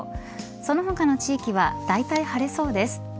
その他の地域はだいたい晴れそうです。